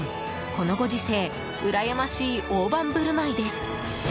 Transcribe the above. このご時世、うらやましい大盤振る舞いです。